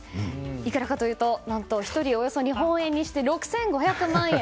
いくらかというと何と１人およそ日本円にして６５００万円。